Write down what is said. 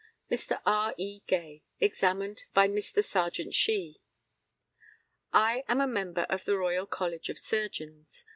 Mr. R. E. GAY, examined by Mr. Serjeant SHEE: I am a member of the Royal College of Surgeons.